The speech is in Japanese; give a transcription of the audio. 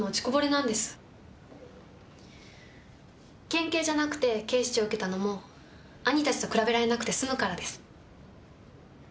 県警じゃなくて警視庁受けたのも兄たちと比べられなくて済むからです。